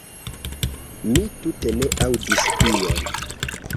Mi tute ne aŭdis tion."